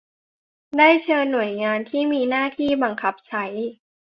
ได้เชิญหน่วยงานที่มีหน้าที่บังคับใช้